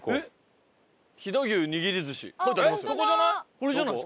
ここじゃない？